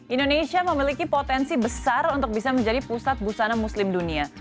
indonesia memiliki potensi besar untuk bisa menjadi pusat busana muslim dunia